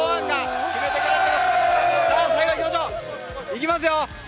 いきますよ